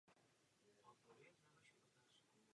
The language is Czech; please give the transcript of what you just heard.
O to větší nadšení ale projevily děti a jejich rodiče.